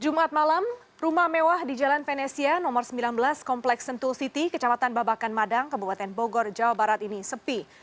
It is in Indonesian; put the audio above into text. jumat malam rumah mewah di jalan venesia nomor sembilan belas kompleks sentul city kecamatan babakan madang kabupaten bogor jawa barat ini sepi